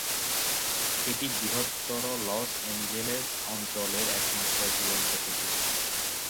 এটি বৃহত্তর Los Angeles অঞ্চলের একমাত্র ঝুলন্ত সেতু।